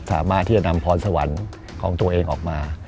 สามารถที่จะนำพรสวรรค์ของตัวเองออกมา